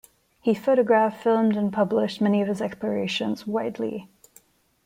He photographed, filmed and published many of his explorations widely.